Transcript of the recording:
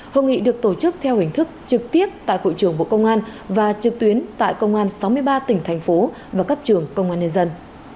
hội nghị được tổ chức theo hình thức trực tiếp tại hội trường bộ công an và trực tuyến tại công an sáu mươi ba tỉnh thành phố và các trường công an nhân dân